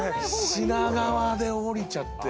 品川で降りちゃって。